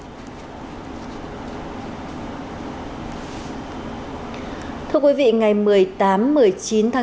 bảo hiểm xã hội việt nam đã phối hợp với bộ công an thực hiện xác thực thông tin công dân